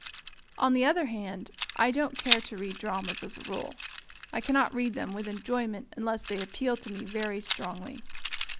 On the other hand, I don't care to read dramas as a rule; I cannot read them with enjoyment unless they appeal to me very strongly.